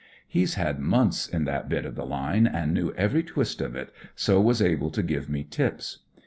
He's had months in that bit of the line, and knew every twist of it. so was able to give me tips.